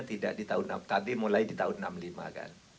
tadi mulai di tahun seribu sembilan ratus enam puluh lima kan